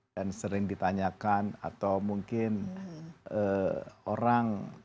dan sering ditanyakan atau mungkin orang